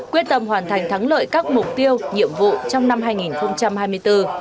quyết tâm hoàn thành thắng lợi các mục tiêu nhiệm vụ trong năm hai nghìn hai mươi bốn